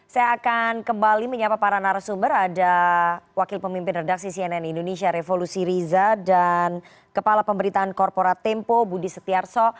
saya akan kembali menyapa para narasumber ada wakil pemimpin redaksi cnn indonesia revolusi riza dan kepala pemberitaan korporat tempo budi setiarso